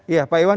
ya pak iwan